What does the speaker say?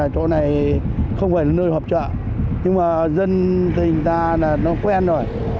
chỗ này không phải là nơi họp chợ nhưng mà dân thì người ta nó quen rồi